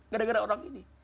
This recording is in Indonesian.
gara gara orang ini